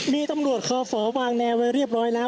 มีตำรวจคอฝวางแนวไว้เรียบร้อยแล้ว